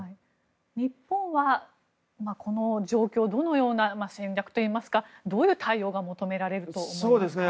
日本はこの状況どのような戦略といいますかどういう対応が求められると思いますか。